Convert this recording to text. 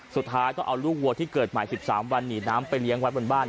สุดท้ายต้องเอาลูกวัวที่เกิดใหม่๑๓วันหนีน้ำไปเลี้ยงไว้บนบ้าน